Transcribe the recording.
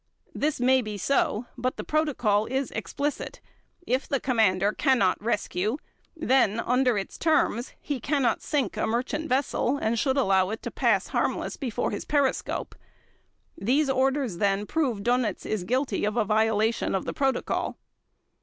This may be so, but the Protocol is explicit. If the commander cannot rescue, then under its terms he cannot sink a merchant vessel and should allow it to pass harmless before his periscope. These orders, then, prove Dönitz is guilty of a violation of the Protocol.